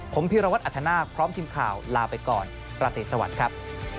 ผมพีรวัตรอัธนาคพร้อมทีมข่าวลาไปก่อนประติสวัสดิ์ครับ